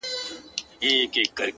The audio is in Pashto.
• د دوزخي حُسن چيرمني جنتي دي کړم؛